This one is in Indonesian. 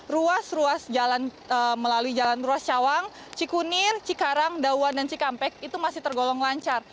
ruas ruas jalan melalui jalan ruas cawang cikunir cikarang dawan dan cikampek itu masih tergolong lancar